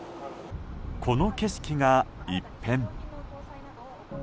この景色が一変。